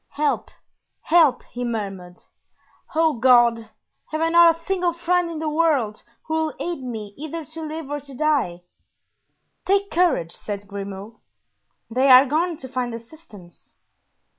"Help, help," he murmured; "oh, God! have I not a single friend in the world who will aid me either to live or to die?" "Take courage," said Grimaud; "they are gone to find assistance."